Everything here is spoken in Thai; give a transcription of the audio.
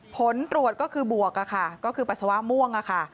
ผลตรวจก็คือบวกค่ะก็คือปัสสาวะม่วงค่ะ